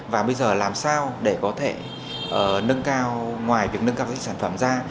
và bây giờ làm sao để có thể nâng cao ngoài việc nâng cao sản phẩm ra